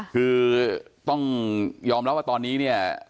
คือต้องยอมรับว่าตอนนี้เนี่ย